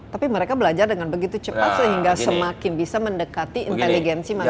tapi mereka belajar dengan begitu cepat sehingga semakin bisa mendekati inteligensi masyarakat